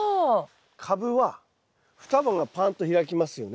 カブは双葉がぱんと開きますよね。